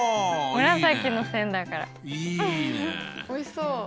おいしそう。